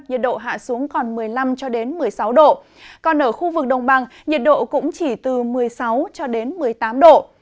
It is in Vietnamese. nhiệt độ hạ xuống còn một mươi năm một mươi sáu độ còn ở khu vực đồng bằng nhiệt độ cũng chỉ từ một mươi sáu cho đến một mươi tám độ